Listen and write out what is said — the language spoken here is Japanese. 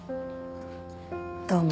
どうも。